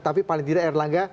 tapi paling tidak erlangga